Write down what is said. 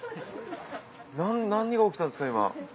何が起きたんですか今。